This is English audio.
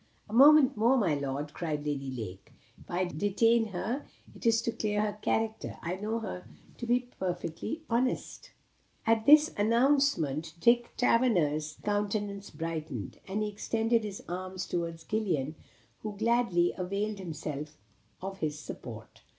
"A moment more, my lord," cried Lady Lake. "If I detain her it is to clear her character. I know her to be perfectly innocent." At this announcement, Dick Taverner's countenance brightened, and he extended his arms towards Gillian, who gladly availed herself of his support.